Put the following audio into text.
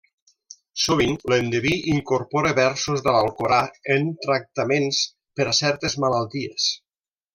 Sovint, l'endeví incorpora versos de l'Alcorà en tractaments per a certes malalties.